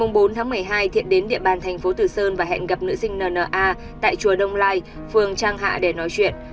ngày bốn một mươi hai thiện đến địa bàn thành phố tử sơn và hẹn gặp nữ sinh n n a tại chùa đông lai phường trang hạ để nói chuyện